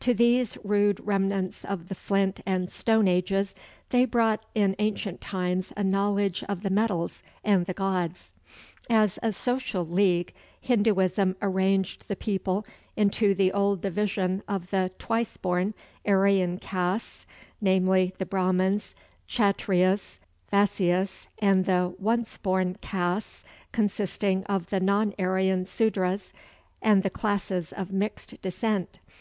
To these rude remnants of the flint and stone ages they brought in ancient times a knowledge of the metals and the gods. As a social league, Hinduism arranged the people into the old division of the "Twice born" Aryan castes, namely, the Brahmans, Kchatryas, Vaisyas; and the "Once born" castes, consisting of the non Aryan Sudras and the classes of mixed descent.